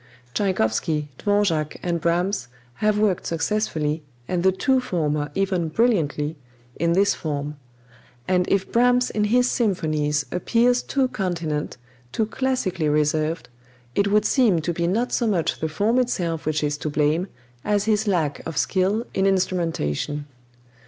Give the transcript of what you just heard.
Tschaikowsky, Dvorak and Brahms have worked successfully, and the two former even brilliantly, in this form; and if Brahms in his symphonies appears too continent, too classically reserved, it would seem to be not so much the form itself which is to blame, as his lack of skill in instrumentation.